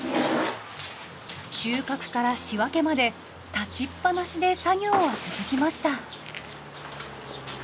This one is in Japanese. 収穫から仕分けまで立ちっぱなしで作業は続きました。